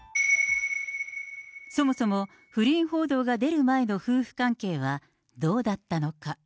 そもそも不倫報道が出る前の夫婦関係はどうだったのか。